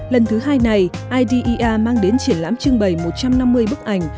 lần thứ hai này idea mang đến triển lãm trưng bày một trăm năm mươi bức ảnh